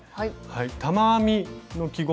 玉編みの記号